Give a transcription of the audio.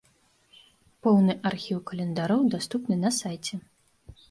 Поўны архіў календароў даступны на сайце.